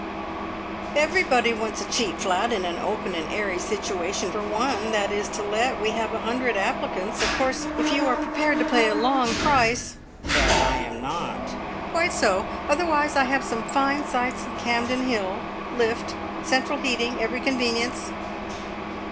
"Everybody wants a cheap flat in an open and airy situation. For one that is to let we have a hundred applicants. Of course, if you are prepared to pay a long price " "But I am not." "Quite so. Otherwise I have some fine sites in Campden Hill. Lift. Central heating. Every convenience."